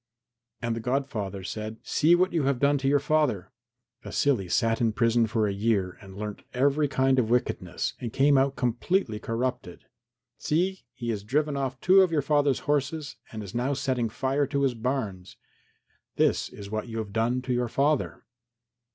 And the godfather said, "See what you have done to your father. Vasily sat in prison for a year and learnt every kind of wickedness and came out completely corrupted. See, he has driven off two of your father's horses and is now setting fire to his barns. This is what you have done to your father."